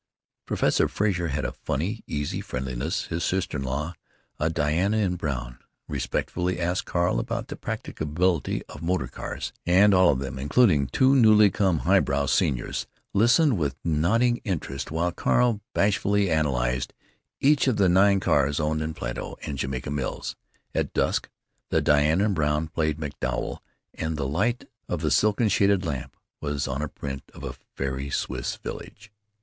Professor Frazer had a funny, easy friendliness; his sister in law, a Diana in brown, respectfully asked Carl about the practicability of motor cars, and all of them, including two newly come "high brow" seniors, listened with nodding interest while Carl bashfully analyzed each of the nine cars owned in Plato and Jamaica Mills. At dusk the Diana in brown played MacDowell, and the light of the silken shaded lamp was on a print of a fairy Swiss village.